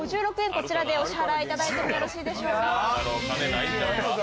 こちらでお支払いいただいてもよろしいでしょうか。